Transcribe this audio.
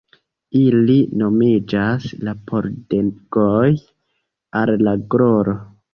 Ili nomiĝas la Pordegoj al la Gloro.